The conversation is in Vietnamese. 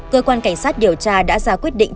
cơ quan cảnh sát điều tra đã ra quyết định